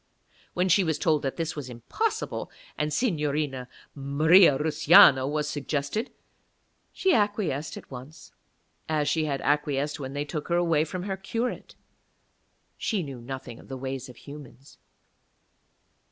When she was told that this was impossible and Signorina Maria Russiano was suggested, she acquiesced at once, as she had acquiesced when they took her away from her curate; she knew nothing of the ways of humans.